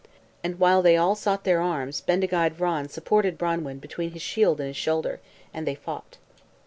And while they all sought their arms Bendigeid Vran supported Branwen between his shield and his shoulder. And they fought.